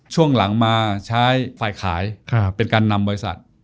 ช่วงหลังมาใช้ฝ่ายขายเป็นการนำบริษัท